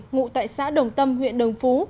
ngụ tại xã đồng tâm huyện đồng phú